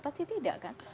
pasti tidak kan